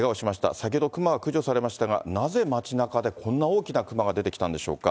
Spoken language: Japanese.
先ほど熊は駆除されましたが、なぜ街なかで、こんな大きな熊が出てきたんでしょうか。